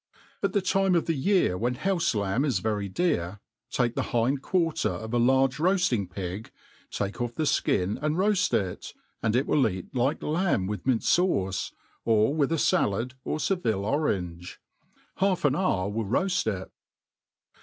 AT the time of the vear when boufe lamb is very dear, take th^ hind quarter of a large roafting pig ; take off the ikin and roaft it, and it will eat like lamb with mint fauce, or with a fallad, or Seville orange. Half an hour will roaft it.